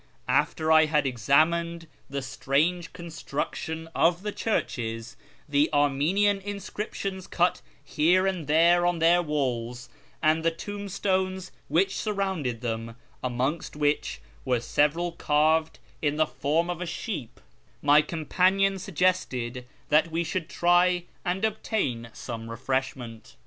After I had examined the strange construction of the churches, the Armenian inscriptions cut here and there on their walls, and the tombstones which surrounded them (amongst which were several carved in the form of a sheep), my companion suggested that we should try and obtain some refreshment.